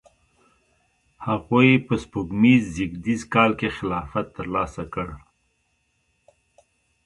هغوی په سپوږمیز زیږدیز کال کې خلافت ترلاسه کړ.